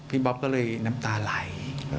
บ๊อบก็เลยน้ำตาไหล